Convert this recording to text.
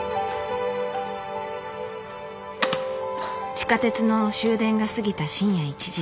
地下鉄の終電が過ぎた深夜１時。